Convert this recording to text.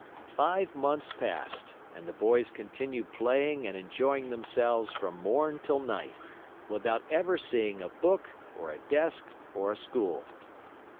Five months passed and the boys continued playing and enjoying themselves from morn till night, without ever seeing a book, or a desk, or a school.